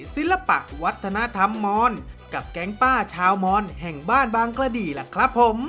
ศิลปะวัฒนธรรมมอนกับแก๊งป้าชาวมอนแห่งบ้านบางกระดีล่ะครับผม